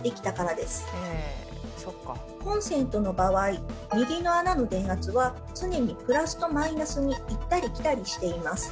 コンセントの場合右の穴の電圧は常に「＋」と「−」に行ったり来たりしています。